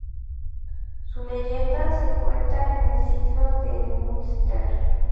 Su leyenda se cuenta en el Ciclo del Ulster.